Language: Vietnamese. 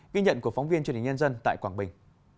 ghi nhận của phóng viên truyền hình nhân dân tại quảng bình